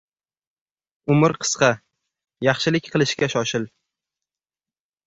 • Umr qisqa — yaxshilik qilishga shoshil.